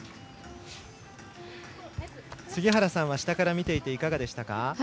杉原さんは下から見ていていかがでしたか？